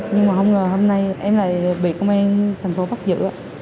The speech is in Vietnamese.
nhưng mà không ngờ hôm nay em lại bị công an thành phố bắt giữ